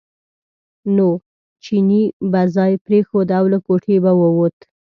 نو چیني به ځای پرېښود او له کوټې به ووت.